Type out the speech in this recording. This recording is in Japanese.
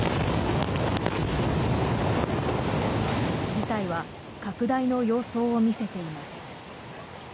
事態は拡大の様相を見せています。